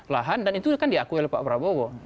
lahan dan itu kan diakui oleh pak prabowo